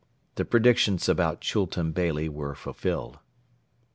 The predictions about Chultun Beyli were fulfilled.